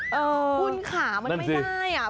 หุ้นขามันไม่ได้